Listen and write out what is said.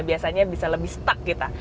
biasanya bisa lebih stuck kita